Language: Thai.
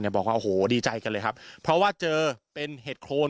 บอกว่าโอ้โหดีใจกันเลยครับเพราะว่าเจอเป็นเห็ดโครน